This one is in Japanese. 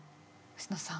星野さん